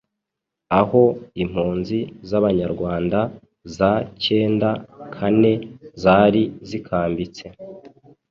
aho impunzi z'abanyarwanda za cyenda kane zari zikambitse.